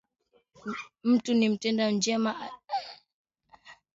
Mtu ni mtenda njema, atwiiye Mola wetu